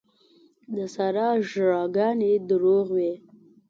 د سارا ژړاګانې دروغ وې.